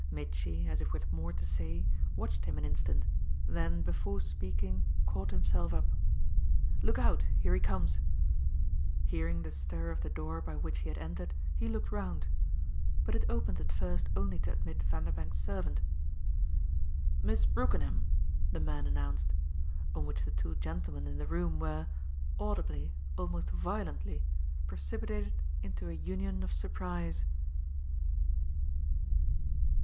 Mitchy, as if with more to say, watched him an instant, then before speaking caught himself up. "Look out here he comes." Hearing the stir of the door by which he had entered he looked round; but it opened at first only to admit Vanderbank's servant. "Miss Brookenham!" the man announced; on which the two gentlemen in the room were audibly, almost violently precipitated into a union of surprise.